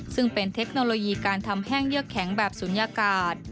ซึ่งเป็นเทคโนโลยีการทำแห้งเยือกแข็งแบบศูนยากาศ